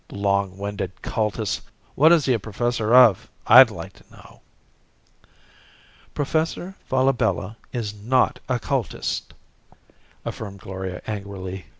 "Long winded cultist! What is he a professor of, I'd like to know." "Professor Falabella is not a cultist!" affirmed Gloria angrily.